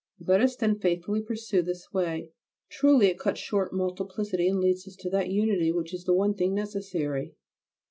Let us then faithfully pursue this way. Truly it cuts short multiplicity and leads us to that unity which is the one thing necessary.